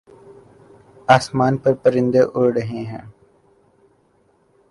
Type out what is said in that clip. آسمان پر پرندے اڑ رہے ہیں